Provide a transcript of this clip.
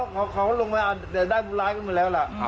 เขาก็ลงไว้ได้บุญร้ายขึ้นมาแล้วล่ะ